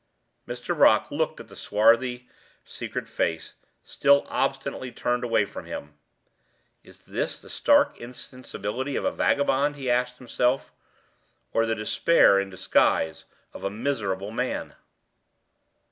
Mr. Brock looked at the swarthy, secret face, still obstinately turned away from him. "Is this the stark insensibility of a vagabond," he asked himself, "or the despair, in disguise, of a miserable man?"